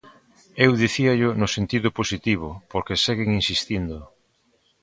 Eu dicíallo no sentido positivo, porque seguen insistindo.